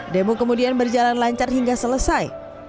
demo kemudian berjalan lancar hingga selesai